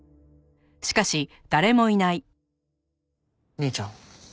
兄ちゃん？